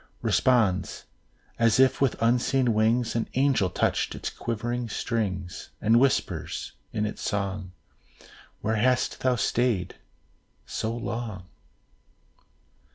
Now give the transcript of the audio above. Responds, as if with unseen wings, An angel touched its quivering strings; And whispers, in its song, "'Where hast thou stayed so long?"